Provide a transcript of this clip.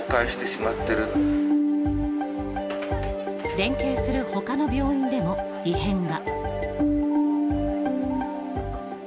連携するほかの病院でも異変が。